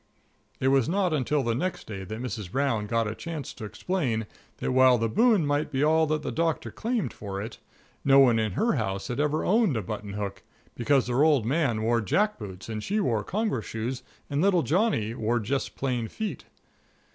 It was not until the next day that Mrs. Brown got a chance to explain that while the Boon might be all that the Doctor claimed for it, no one in her house had ever owned a button hook, because her old man wore jack boots and she wore congress shoes, and little Johnny wore just plain feet.